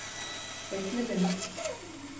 Bekle beni!